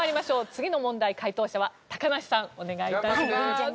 次の問題解答者は高梨さんお願い致します。